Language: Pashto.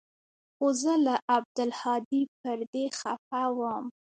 خو زه له عبدالهادي پر دې خپه وم.